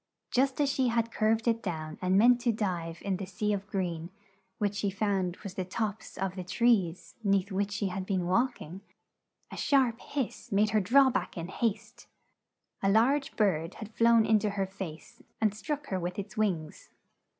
Just as she had curved it down and meant to dive in the sea of green, which she found was the tops of the trees 'neath which she had been walk ing, a sharp hiss made her draw back in haste. A large bird had flown in to her face, and struck her with its wings.